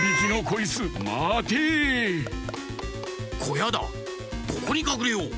ここにかくれよう。